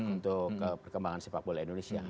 untuk perkembangan sepak bola indonesia